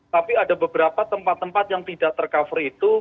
tapi ada beberapa tempat tempat yang tidak tercover itu